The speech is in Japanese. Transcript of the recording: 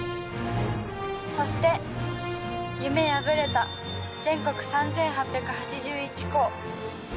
そして夢破れた全国３８８１校。